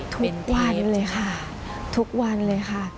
ทุกวันเลยค่ะทุกวันเลยค่ะ